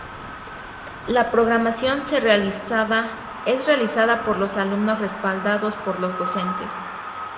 La programación es realizada por los alumnos respaldados por los docentes.